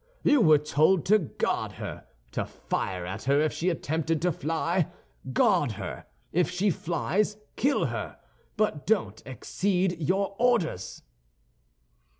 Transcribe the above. You were told to guard her—to fire at her if she attempted to fly. Guard her! If she flies, kill her; but don't exceed your orders."